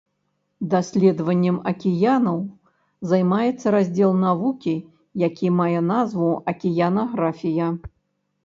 Даследаваннем акіянаў займаецца раздзел навукі, які мае назву акіянаграфія.